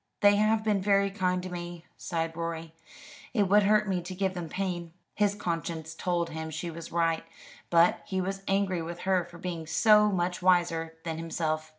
"They have been very kind to me," sighed Rorie. "It would hurt me to give them pain." His conscience told him she was right, but he was angry with her for being so much wiser than himself.